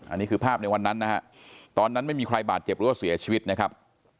อันนี้คือภาพในวันนั้นนะฮะตอนนั้นไม่มีใครบาดเจ็บหรือว่าเสียชีวิตนะครับ